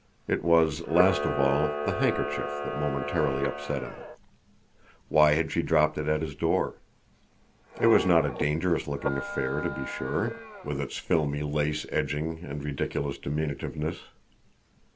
It was, last of all, the handkerchief that momentarily upset him. Why had she dropped it at his door? It was not a dangerous looking affair, to be sure, with its filmy lace edging and ridiculous diminutiveness.